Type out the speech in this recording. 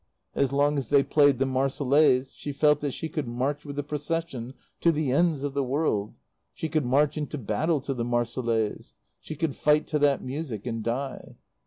As long as they played the Marseillaise she felt that she could march with the Procession to the ends of the world; she could march into battle to the Marseillaise; she could fight to that music and die.